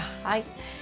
はい。